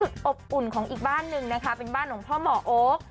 อบอุ่นของอีกบ้านหนึ่งนะคะเป็นบ้านของพ่อหมอโอ๊ค